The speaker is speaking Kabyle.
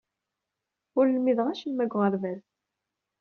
Ur lmideɣ acemma deg uɣerbaz.